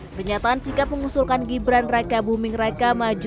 pernyataan sikap mengusulkan gibran raka buming raka maju